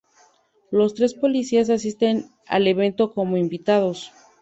Los tres policías asisten al evento como invitados.